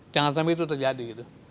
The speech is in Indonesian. jangan sampai itu terjadi